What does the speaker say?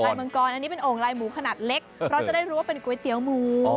มังกรอันนี้เป็นโอ่งลายหมูขนาดเล็กเพราะจะได้รู้ว่าเป็นก๋วยเตี๋ยวหมู